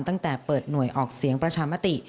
ตั้งแต่เปิดหน่วยออกเสียงประชามติ